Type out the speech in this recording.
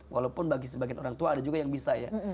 walaupun bagi sebagian orang tua ada juga yang bisa ya